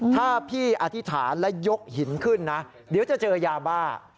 ถ้าพี่อธิษฐานและยกหินขึ้นนะเดี๋ยวจะเจอยาบ้า